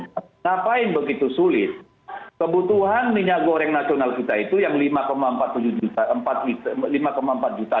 kenapa begitu sulit kebutuhan minyak goreng nasional kita itu yang lima empat juta